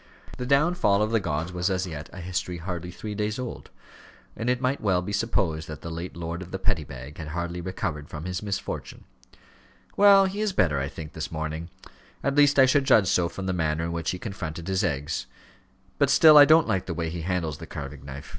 The downfall of the gods was as yet a history hardly three days old, and it might well be supposed that the late lord of the Petty Bag had hardly recovered from his misfortune. "Well, he is better, I think, this morning; at least I should judge so from the manner in which he confronted his eggs. But still I don't like the way he handles the carving knife.